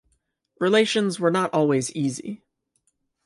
Relations were not always easy.